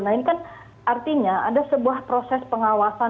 nah ini kan artinya ada sebuah proses pengawasan